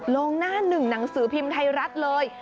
ลงหน้าหนึ่งหนังสือพิมพ์ไทยรัฐเลย